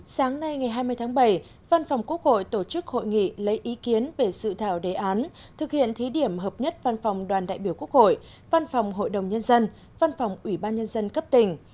sáng nay ngày hai mươi tháng bảy văn phòng quốc hội tổ chức hội nghị lấy ý kiến về sự thảo đề án thực hiện thí điểm hợp nhất văn phòng đoàn đại biểu quốc hội văn phòng hội đồng nhân dân văn phòng ủy ban nhân dân cấp tỉnh